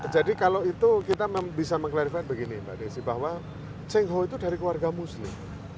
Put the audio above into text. jadi kalau itu kita bisa mengklarifikasi begini mbak desi bahwa cheng ho itu dari keluarga muslim